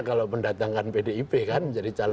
kalau mendatangkan pdip kan menjadi calon